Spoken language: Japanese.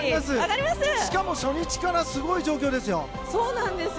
しかも初日からすごい状況ですよ。